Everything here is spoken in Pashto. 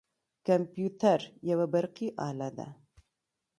کمپیوتر یوه برقي اله ده.